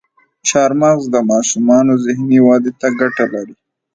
چارمغز د ماشومانو ذهني ودې ته ګټه لري.